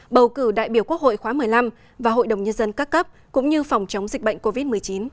bầu cử đại biểu quốc hội khóa một mươi năm và hội đồng nhân dân các cấp cũng như phòng chống dịch bệnh covid một mươi chín